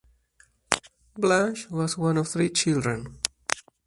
Blanche was one of three children.